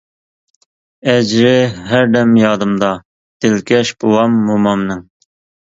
ئەجرى ھەردەم يادىمدا، دىلكەش بوۋام، مومامنىڭ.